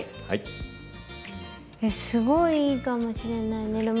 すごいいいかもしれない寝る